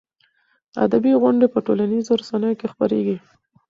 ادبي غونډې په ټولنیزو رسنیو کې خپرېږي.